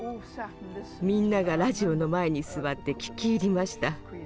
みんながラジオの前に座って聴き入りました。